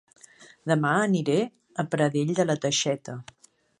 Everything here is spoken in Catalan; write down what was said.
Dema aniré a Pradell de la Teixeta